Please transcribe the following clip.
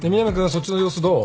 そっちの様子どう？